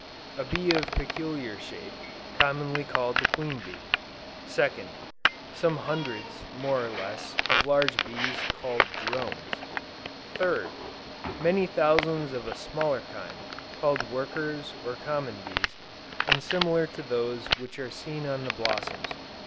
A bee of peculiar shape, commonly called the Queen Bee. 2d. Some hundreds, more or less, of large bees called Drones. 3d. Many thousands of a smaller kind, called Workers or common bees, and similar to those which are seen on the blossoms.